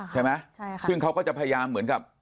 ใช่ไหมใช่ค่ะซึ่งเขาก็จะพยายามเหมือนกับ